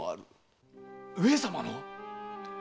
上様のっ？